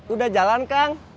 udah jalan kang